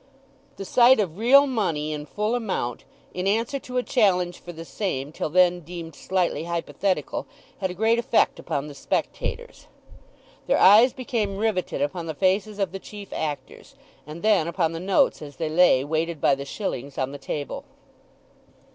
The sight of real money in full amount, in answer to a challenge for the same till then deemed slightly hypothetical had a great effect upon the spectators. Their eyes became riveted upon the faces of the chief actors, and then upon the notes as they lay, weighted by the shillings, on the table.